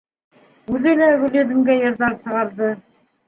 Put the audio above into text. Үҙе лә Гөлйөҙөмгә йырҙар сығарҙы: